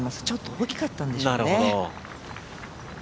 ちょっと大きかったんでしょうね。